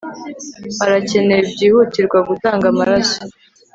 harakenewe byihutirwa gutanga amaraso